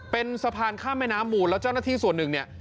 เป็นสะพานข้ามแม่น้ำมูลแล้วเจ้าหน้าที่ส่วนหนึ่งเนี่ย